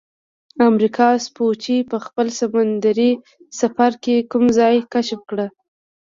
امریکا سپوچي په خپل سمندي سفر کې کوم ځای کشف کړ؟